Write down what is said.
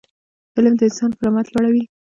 علم د انسان کرامت لوړوي.